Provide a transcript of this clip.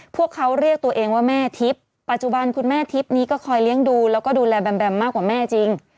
พวกเขาเรียกตัวเองว่าแม่ทิพย์ปัจจุบันคุณแม่ทิพย์นี้ก็คอยเลี้ยงดูแล้วก็ดูแลแบมแบมมากกว่าแม่จริง